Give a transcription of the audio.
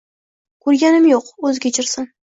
Ko‘rganim yo‘q, o‘zi kechirsin…